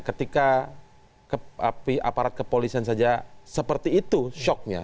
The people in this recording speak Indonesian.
ketika aparat kepolisian saja seperti itu shocknya